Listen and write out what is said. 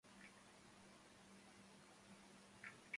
Aharon et al.